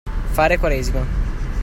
Fare quaresima.